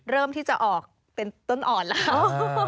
เริ่มที่จะออกเป็นต้นอ่อนแล้ว